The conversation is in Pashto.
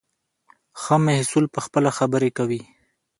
ښه محصول پخپله خبرې کوي.